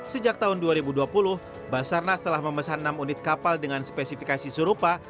sejak tahun dua ribu dua puluh basarnas telah memesan enam unit kapal dengan spesifikasi serupa